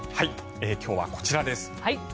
今日はこちらです。